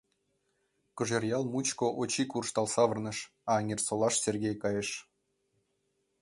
Кожеръял мучко Очи куржтал савырныш, а Эҥерсолаш Сергей кайыш.